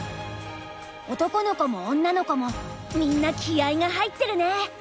男の子も女の子もみんな気合いが入ってるね。